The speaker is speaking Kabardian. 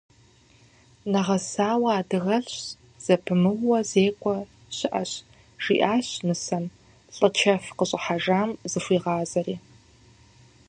Нэгъэсауэ адыгэлӏщ, зэпымыууэ зекӏуэ щыӏэщ, жиӏащ нысэм, лӏы чэф къыщӏыхьэжам зыхуигъазри.